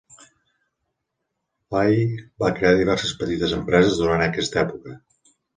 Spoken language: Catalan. Fahy va crear diverses petites empreses durant aquesta època.